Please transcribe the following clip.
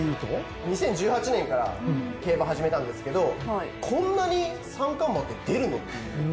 ２０１８年から競馬始めたんですけどこんなに三冠馬って出るの？っていう。